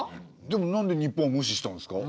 でもなんで日本は無視したんですか？